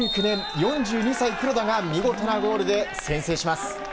４２歳、黒田が見事なゴールで先制します。